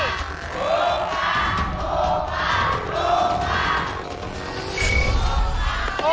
หูปะหูปะหูปะ